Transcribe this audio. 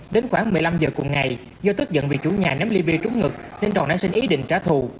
đến khoảng một mươi năm h cuộc ngày do tức giận vì chủ nhà ném ly bia trúng ngực nên tròn đã xin ý định trả thù